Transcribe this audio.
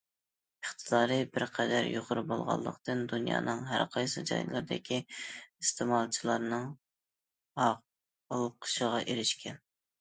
ئىقتىدارى بىر قەدەر يۇقىرى بولغانلىقتىن، دۇنيانىڭ ھەر قايسى جايلىرىدىكى ئىستېمالچىلارنىڭ ئالقىشىغا ئېرىشكەن.